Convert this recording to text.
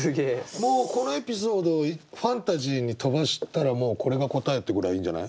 もうこのエピソードファンタジーに飛ばしたらもうこれが答えってぐらいいいんじゃない？